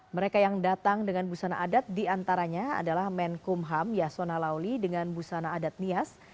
mereka yang datang dengan busana adat diantaranya adalah menkumham yasona lauli dengan busana adat nias